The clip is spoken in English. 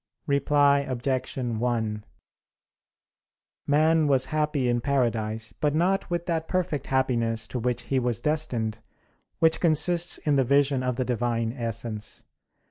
Reply Obj. 1: Man was happy in paradise, but not with that perfect happiness to which he was destined, which consists in the vision of the Divine Essence.